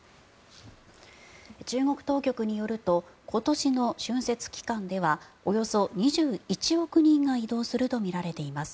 中国当局によると今年の春節期間ではおよそ２１億人が移動するとみられています。